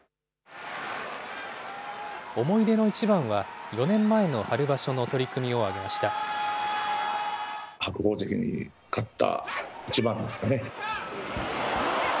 思い出の一番は、４年前の春場所の取組を挙げました。